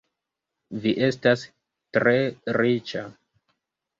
Vi estas tre riĉa?